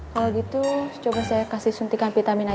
kalau gitu coba saya kasih suntikan vitamin aja